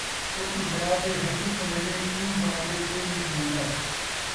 پتر بݨا تے ہر کئی کھویندے، پیو بݨا تے کئی نئیں کھویندا